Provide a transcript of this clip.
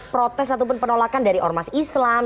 protes ataupun penolakan dari ormas islam